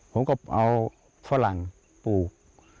ผมก็เอาฝรั่งปลูก